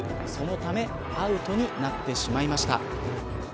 そのためアウトになってしまいました。